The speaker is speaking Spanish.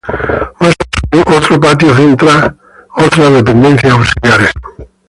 Más al sur, otro patio centra otras dependencias auxiliares.